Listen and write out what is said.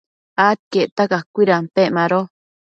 adquiecta cacuidampec mado